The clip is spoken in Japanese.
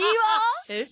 えっ？